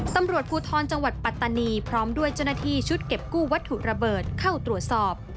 ตำรวจภูทรจังหวัดปัตตานีพร้อมด้วยเจ้าหน้าที่ชุดเก็บกู้วัตถุระเบิดเข้าตรวจสอบ